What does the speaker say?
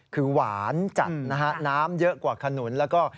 คือหวานจัดนะฮะน้ำเยอะกว่าขนุนแล้วก็